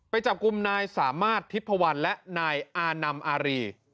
ไปจับกลุ่มนายสามารถทิพพวันและนายอานำอารี